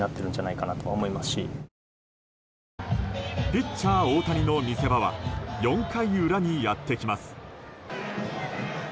ピッチャー大谷の見せ場は４回裏にやってきます。